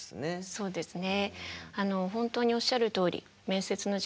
そうですね。